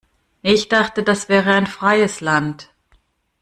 Ich dachte, das wäre ein freies Land.